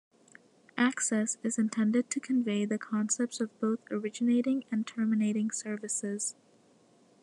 "Access" is intended to convey the concepts of both originating and terminating services.